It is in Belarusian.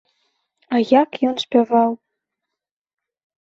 А як ён спяваў!